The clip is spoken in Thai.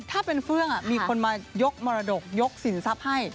ถ้าเป็นเฟื่องมีคนมายกมรดกยกสินทรัพย์ให้